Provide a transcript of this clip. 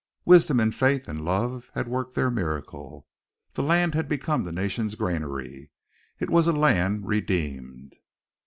Wisdom and faith and love had worked their miracle. This land had become the nation's granary; it was a land redeemed.